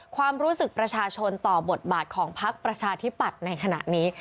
ความรู้สึกประชาชนต่อบทบาทของพักประชาธิปัตย์ในขณะนี้